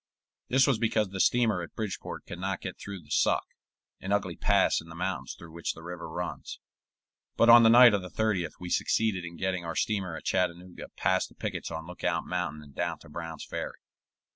This was because the steamer at Bridgeport could not get through the Suck, an ugly pass in the mountains through which the river runs; but on the night of the 30th we succeeded in getting our steamer at Chattanooga past the pickets on Lookout Mountain and down to Brown's Ferry.